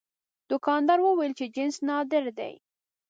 دوکاندار وویل چې جنس نادر دی.